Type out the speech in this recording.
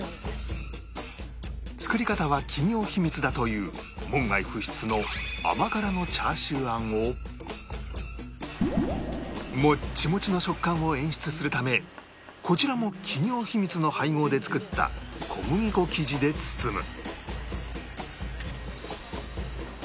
作り方は企業秘密だという門外不出のもっちもちの食感を演出するためこちらも企業秘密の配合で作った小麦粉生地で包む